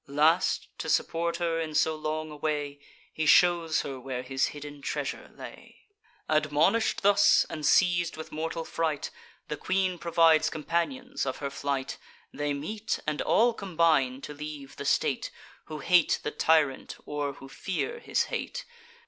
Last, to support her in so long a way, He shows her where his hidden treasure lay. Admonish'd thus, and seiz'd with mortal fright, The queen provides companions of her flight: They meet, and all combine to leave the state, Who hate the tyrant, or who fear his hate.